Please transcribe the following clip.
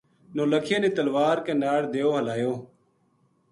نولکھیا نے تلوار کے ناڑ دیو ہلایو